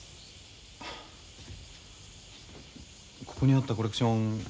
ここにあったコレクション